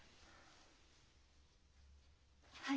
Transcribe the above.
はい。